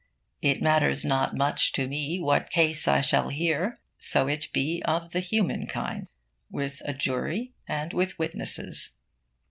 It matters not much to me what case I shall hear, so it be of the human kind, with a jury and with witnesses.